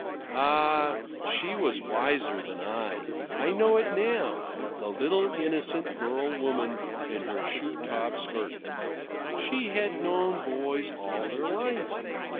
Ah, she was wiser than I I know it now the little innocent girl woman in her shoe top skirt. She had known boys all her life.